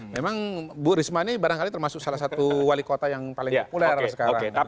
memang bu risma ini barangkali termasuk salah satu wali kota yang paling populer sekarang